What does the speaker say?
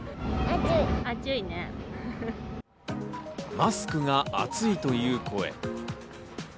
マスクが暑いという声。